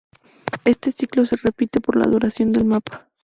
Este ciclo se repite por la duración del mapa.